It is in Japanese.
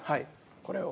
これを。